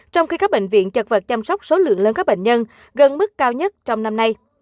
trong khi các bệnh viện chật vật chăm sóc số lượng lớn các bệnh nhân gần mức cao nhất trong năm nay